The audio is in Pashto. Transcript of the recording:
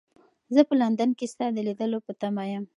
زه په لندن کې ستا د لیدلو په تمه یم.